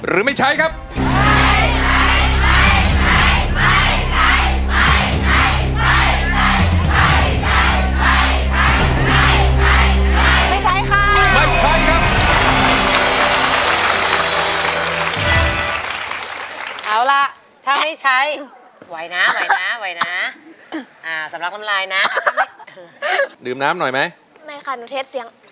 ลืมน้ำหน่อยมั้ยเป้าหมายไม่ค่ะหนูเทสเสียง